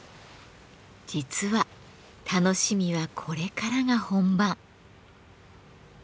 実は楽しみはこれからが本番。